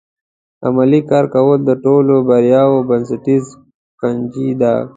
عملي کار کول د ټولو بریاوو بنسټیزه کنجي ده.